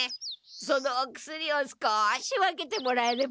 そのお薬を少し分けてもらえれば。